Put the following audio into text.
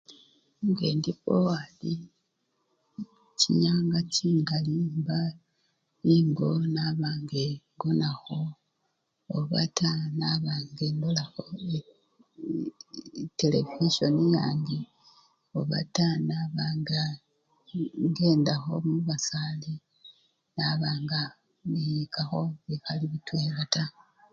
Nga endi bowati, chinyinga chingali ngendi engo nanba nga engonakho, obata naba nga endolakho etelevisyoni yange, obata nabanga engedakho mubasale, naba nga niyikakho bikhali bitwela taa.